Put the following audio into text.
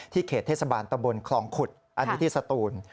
เขตเทศบาลตะบนคลองขุดอันนี้ที่สตูน